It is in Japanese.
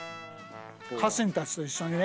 家臣たちと一緒にね。